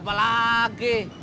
dia lagi nyari